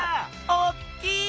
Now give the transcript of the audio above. おっきい！